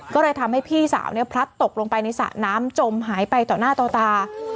ก็เลยทำให้พี่สาวเนี่ยพลัดตกลงไปในสระน้ำจมหายไปต่อหน้าต่อตา